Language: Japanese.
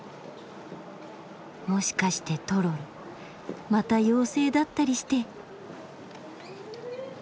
もしかしてトロルまた妖精だったりして。